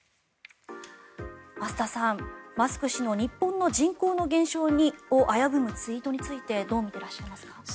増田さん、マスク氏の日本の人口の減少を危ぶむツイートについてどう見ていらっしゃいますか。